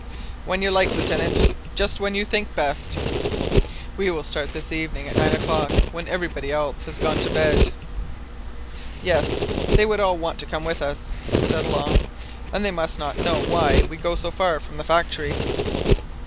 "When you like, Lieutenant, just when you think best." "We will start this evening at nine o'clock, when everybody else has gone to bed" "Yes, they would all want to come with us," said Long, "and they must not know why we go so far from the factory."